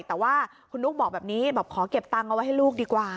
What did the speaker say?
แต่ว่าคุณนุ๊กบอกแบบนี้บอกขอเก็บตังค์เอาไว้ให้ลูกดีกว่า